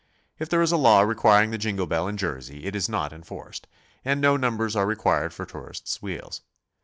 If there is a law requiring the jingle bell in Jersey it is not enforced, and no numbers are required for tourists' wheels.